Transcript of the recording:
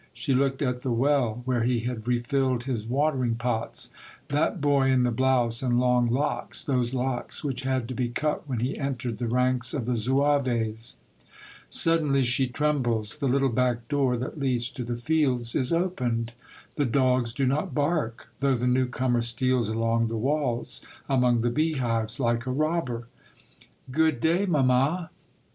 She looked at the well where he had refilled his watering pots, — that boy in the blouse and long locks, those locks which had to be cut when he entered the ranks of tht zouaves. Suddenly she trembles. The httle back door that leads to the fields is opened. The dogs do not bark, though the new comer steals along the walls, among the beehives, like a robber. 56 Monday Tales, *' Good day, mamma